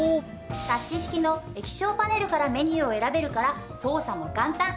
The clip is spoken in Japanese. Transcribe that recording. タッチ式の液晶パネルからメニューを選べるから操作も簡単。